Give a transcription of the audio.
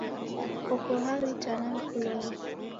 Koko hao itanaa nikulole?